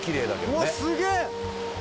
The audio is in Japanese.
うわっすげえ！